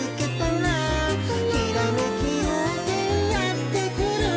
「ひらめきようせいやってくる」